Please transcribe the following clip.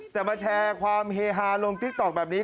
แต่มาแชร์ความเฮฮาลงติ๊กต๊อกแบบนี้